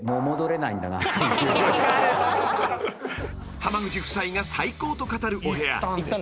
［濱口夫妻が最高と語るお部屋］